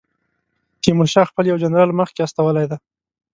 تیمورشاه خپل یو جنرال مخکې استولی دی.